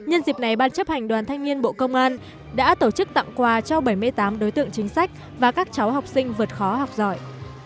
nhân dịp này ban chấp hành đoàn thanh niên bộ công an đã tổ chức tặng quà cho bảy mươi tám đối tượng chính sách và các cháu học sinh vượt khó học giỏi